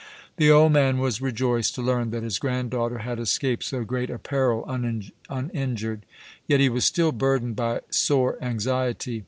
The old man was rejoiced to learn that his granddaughter had escaped so great a peril uninjured, yet he was still burdened by sore anxiety.